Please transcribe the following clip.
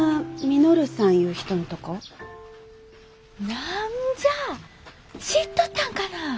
何じゃ知っとったんかな。